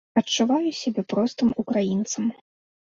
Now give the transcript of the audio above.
Адчуваю сябе простым украінцам.